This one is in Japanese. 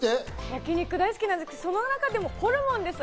焼肉大好きなんですけど、その中でもホルモンです。